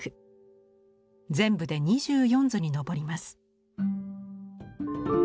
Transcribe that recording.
全部で２４図に上ります。